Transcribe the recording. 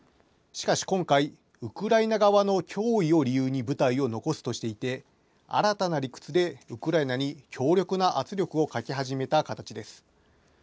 しかし今回、ウクライナ側の脅威を理由に部隊を残すとしていて、新たな理屈でウクライナに強力な圧力をかけ始めた形です。